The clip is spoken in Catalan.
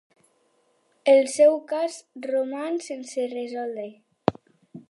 El seu cas roman sense resoldre.